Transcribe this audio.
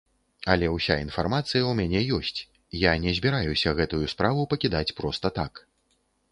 Але ўся інфармацыя ў мяне ёсць, я не збіраюся гэтую справу пакідаць проста так.